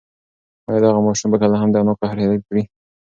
ایا دغه ماشوم به کله هم د انا قهر هېر کړي؟